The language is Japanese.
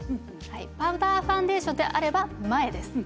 パウダーファンデーションであれば前です。